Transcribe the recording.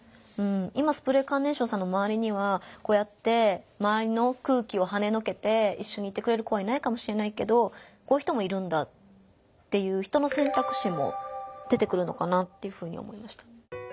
今スプレーカーネーションさんのまわりにはこうやってまわりの空気をはねのけていっしょにいてくれる子はいないかもしれないけどこういう人もいるんだっていうのかなっていうふうに思いました。